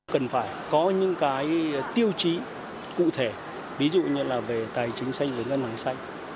cần phải có những cái tiêu chí cụ thể ví dụ như là về tài chính xanh và ngân hàng xanh